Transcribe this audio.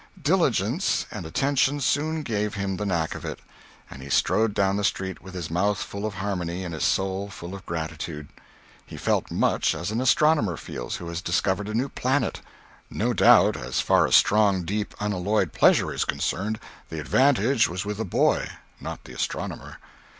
Diligence and attention soon gave him the knack of it, and he strode down the street with his mouth full of harmony and his soul full of gratitude. He felt much as an astronomer feels who has discovered a new planet—no doubt, as far as strong, deep, unalloyed pleasure is concerned, the advantage was with the boy, not the astronomer.